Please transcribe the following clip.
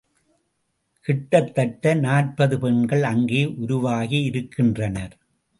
கிட்டத்தட்ட நாற்பது பெண்கள் அங்கே உருவாகியிருக்கின்றனர்.